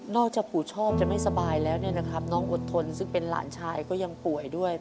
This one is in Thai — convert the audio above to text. จากปู่ชอบจะไม่สบายแล้วเนี่ยนะครับน้องอดทนซึ่งเป็นหลานชายก็ยังป่วยด้วย